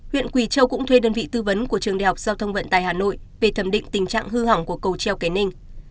huyện quỳ châu cũng thuê đơn vị tư vấn của trường đại học giao thông vận tài hà nội về thẩm định tình trạng hư hỏng của cầu treo kế ninh